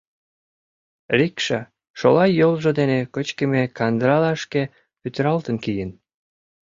Рикша шола йолжо дене кычкыме кандыралашке пӱтыралтын киен.